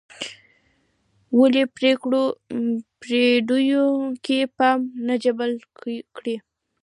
ولې پېړیو کې پام نه جلب کړی.